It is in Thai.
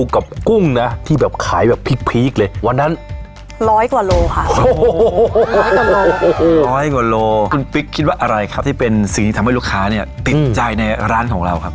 คุณปิ๊กคิดว่าอะไรครับที่เป็นสิ่งที่ทำให้ลูกค้าเนี่ยติดใจในร้านของเราครับ